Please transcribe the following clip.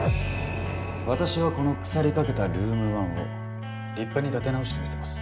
私はこの腐りかけたルーム１を立派に立て直してみせます。